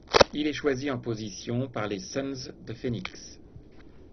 Il est choisi en position par les Suns de Phoenix.